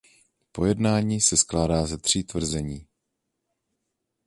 Pojednání se skládá ze tří tvrzení.